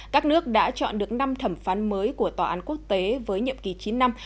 các nước đã chọn được năm thẩm phán mới của tòa án quốc tế với nhiệm kỳ chín năm